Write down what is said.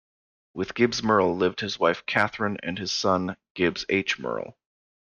With Gibbs Murrell lived his wife Catherine and his son Gibbs H. Murrell.